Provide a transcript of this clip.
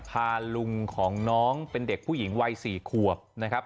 พาลุงของน้องเป็นเด็กผู้หญิงวัย๔ขวบนะครับ